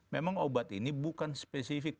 memang obat ini bukan spesifik